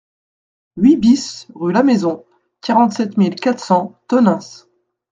huit BIS rue Lamaison, quarante-sept mille quatre cents Tonneins